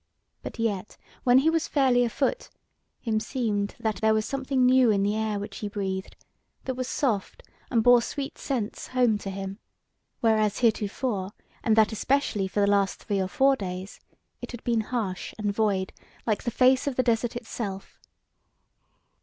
But yet when he was fairly afoot, himseemed that there was something new in the air which he breathed, that was soft and bore sweet scents home to him; whereas heretofore, and that especially for the last three or four days, it had been harsh and void, like the face of the desert itself.